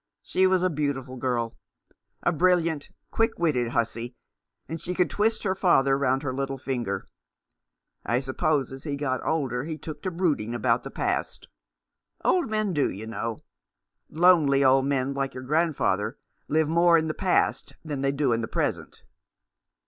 She was a beautiful girl — a brilliant, 354 The Man behind the Mask. quick witted hussey, and she could twist her father round her little ringer. I suppose as he got older he took to brooding upon the past. Old men do, you know ; lonely old men like your grandfather live more in the past than they do in the present."